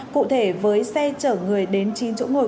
cụ thể với xe chở người đến chín chỗ ngồi